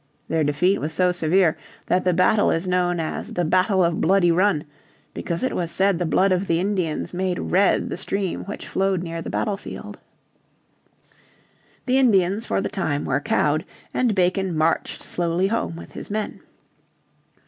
Their defeat was so severe that the battle is known as the Battle of Bloody Run, because it was said the blood of the Indians made red the stream which flowed near the battlefield. The Indians for the time were cowed, and Bacon marched slowly home with his men.